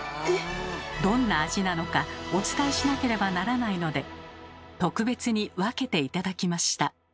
どんな味なのかお伝えしなければならないので特別に分けて頂きました。